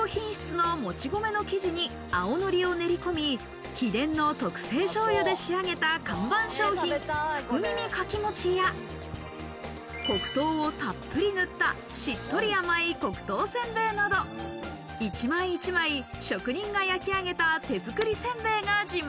最高品質のもち米の生地に、青のりを練りこみ、秘伝の特製醤油で仕上げた看板商品・福耳柿餅や黒糖をたっぷり塗ったしっとり甘い黒糖煎餅など、一枚一枚、職人が焼き上げた手づくりせんべいが自慢。